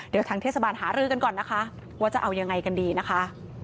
เดี๋ยวทางเทศบาลหารือกันก่อนนะคะว่าจะเอายังไงกันดีนะคะ